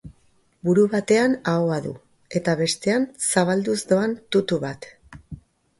Buru batean ahoa du, eta bestean zabalduz doan tutu bat.